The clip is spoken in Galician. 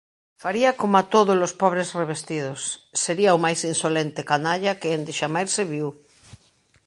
Faría coma tódolos pobres revestidos: sería o máis insolente canalla que endexamais se viu.